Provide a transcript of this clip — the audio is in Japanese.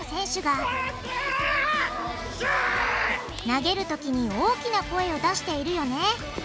投げるときに大きな声を出しているよね